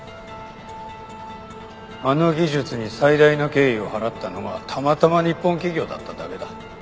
あの技術に最大の敬意を払ったのがたまたま日本企業だっただけだ。